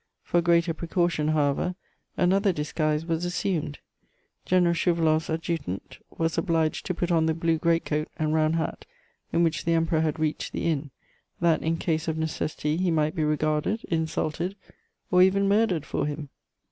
For greater precaution, however, another disguise was assumed. General Schouwaloff's Adjutant was obliged to put on the blue great coat and round hat in which the Emperor had reached the inn, that in case of necessity he might be regarded, insulted, or even murdered for him.